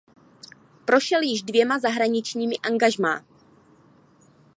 Prošel již dvěma zahraničními angažmá.